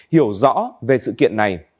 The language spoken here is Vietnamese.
hiểu rõ về sự kiện này